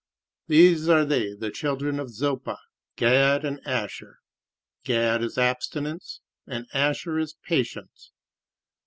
These are they, the children of Zilpah, Gad and Asher: Gad is abstinence, and Asher is patience.